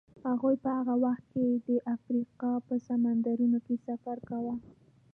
هغوی په هغه وخت کې د افریقا په سمندرونو کې سفر کاوه.